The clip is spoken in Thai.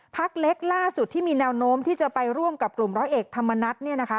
พักเล็กล่าสุดที่มีแนวโน้มที่จะไปร่วมกับกลุ่มร้อยเอกธรรมนัฐเนี่ยนะคะ